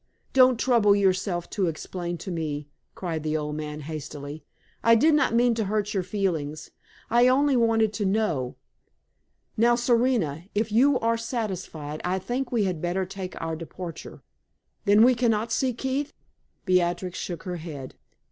Don't trouble yourself to explain to me," cried the old man, hastily. "I did not mean to hurt your feelings. I only wanted to know. Now, Serena, if you are satisfied, I think we had better take our departure. Then we can not see Keith?" Beatrix shook her head.